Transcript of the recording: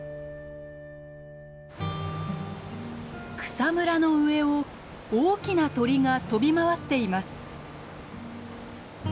草むらの上を大きな鳥が飛び回っています。